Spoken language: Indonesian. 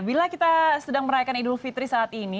bila kita sedang merayakan idul fitri saat ini